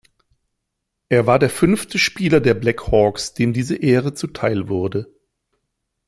Er war der fünfte Spieler der Black Hawks, dem diese Ehre zuteilwurde.